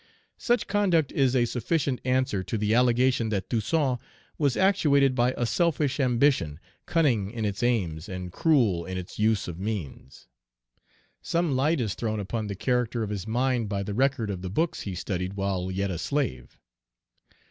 Such conduct is a sufficient answer to the allegation that Toussaint was actuated by a selfish ambition, cunning in its aims, and cruel in its use of means. Some light is thrown upon the character of his mind by the record of the books he studied while yet a slave.